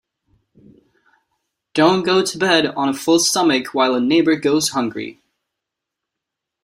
Don't go to bed on a full stomach while a neighbour goes hungry.